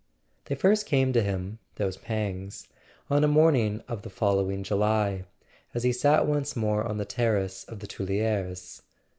.. They first came to him, those pangs, on a morning of the following July, as he sat once more on the terrace of the Tuileries.